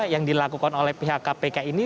yang dilakukan oleh pihak kpk ini